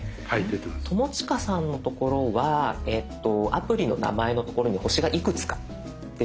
友近さんのところはアプリの名前のところに星がいくつか出てると思うんです。